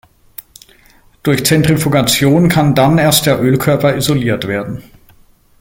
Durch Zentrifugation kann dann erst der Ölkörper isoliert werden.